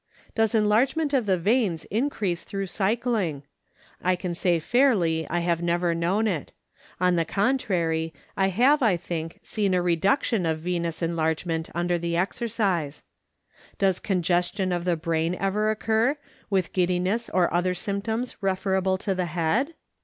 Does enlargement of the veins increase through cycling ? I can say fairly I have never known it ; on the contrary I have, I think, seen a reduction of venous enlargement under the exercise. Does congestion of the brain ever occur, with giddiness or other symptoms referable to the head